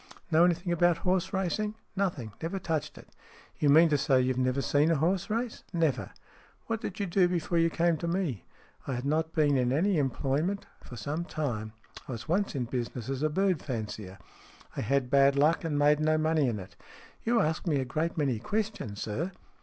" Know anything about horse racing ?"" Nothing. Never touched it." " You mean to say you've never seen a horse race?" " Never." " What did you do before you came to me ?"" I had not been in any employment for some STORIES IN GREY time. I was once in business as a bird fancier. I had bad luck and made no money in it. You ask me a great many questions, sir."